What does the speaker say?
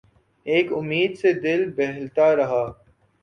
ایک امید سے دل بہلتا رہا